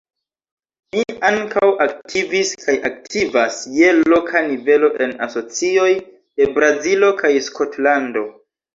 Mi ankaŭ aktivis kaj aktivas je loka nivelo en asocioj de Brazilo kaj Skotlando.